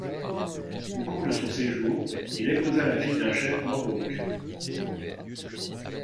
Au cours de son séjour, il épousa la fille d'un chef Mohawks.